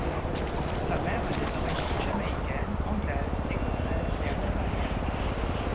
Sa mère a des origines jamaïcaines, anglaises, écossaises et amérindienne.